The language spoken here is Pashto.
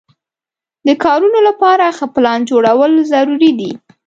د کارونو لپاره ښه پلان جوړول ضروري دي.